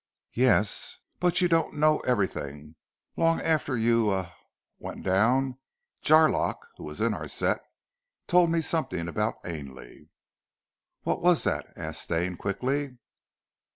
"Yes, but you don't know everything. Long after you er went down, Jarlock, who was in our set, told me something about Ainley." "What was that?" asked Stane quickly.